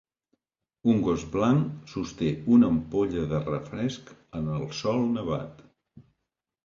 Un gos blanc sosté una ampolla de refresc en el sòl nevat.